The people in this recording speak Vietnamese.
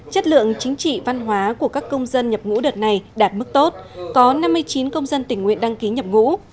chất lượng chính trị văn hóa của các công dân nhập ngũ đợt này đạt mức tốt có năm mươi chín công dân tỉnh nguyện đăng ký nhập ngũ